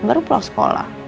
baru pulang sekolah